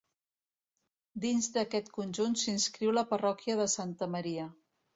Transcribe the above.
Dins d'aquest conjunt s'inscriu la Parròquia de Santa Maria.